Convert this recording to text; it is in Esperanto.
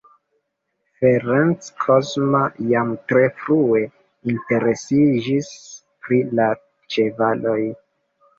Ferenc Kozma jam tre frue interesiĝis pri la ĉevaloj.